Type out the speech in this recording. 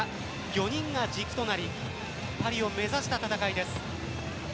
４人が軸となりパリを目指した戦いです。